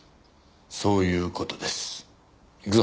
そういう事です。